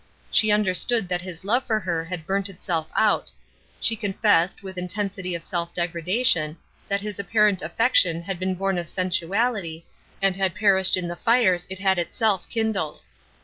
She understood that his love for her had burnt itself out she confessed, with intensity of self degradation, that his apparent affection had been born of sensuality, and had perished in the fires it had itself kindled.